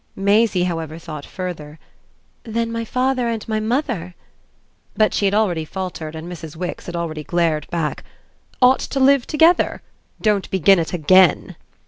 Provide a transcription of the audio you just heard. Maisie, however, thought further. "Then my father and my mother !" But she had already faltered and Mrs. Wix had already glared back: "Ought to live together? Don't begin it AGAIN!"